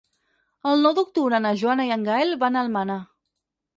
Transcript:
El nou d'octubre na Joana i en Gaël van a Almenar.